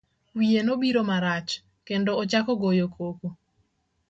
Wiye nobiro marach, kendo ochako goyo koko.